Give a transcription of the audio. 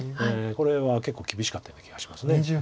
これは結構厳しかったような気がします。